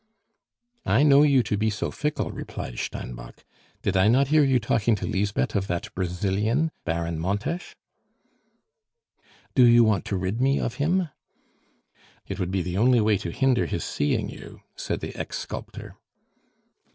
"I know you to be so fickle," replied Steinbock. "Did I not hear you talking to Lisbeth of that Brazilian, Baron Montes?" "Do you want to rid me of him?" "It would be the only way to hinder his seeing you," said the ex sculptor.